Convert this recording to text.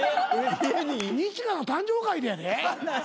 二千翔の誕生会でやで。